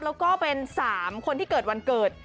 แล้วก็เป็น๓คนที่เกิดวันเกิด